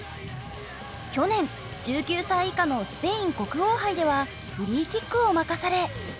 去年１９歳以下のスペイン国王杯ではフリーキックを任され。